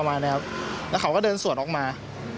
มีดต่อมา